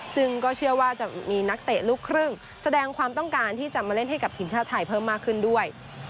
ซึ่งก็เชื่อว่าจะมีนักเตะลูกครึ่งแสดงความต้องการที่จะมาเล่นให้กับทีมชาติไทยเพิ่มมากขึ้นด้วย